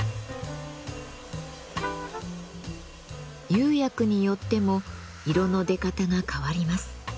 釉薬によっても色の出方が変わります。